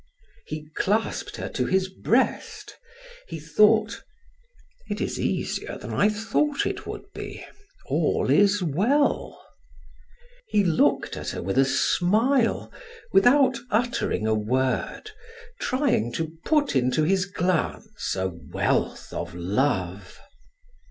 He clasped her to his breast. He thought: "It is easier than I thought it would be. All is well." He looked at her with a smile, without uttering a word, trying to put into his glance a wealth of love.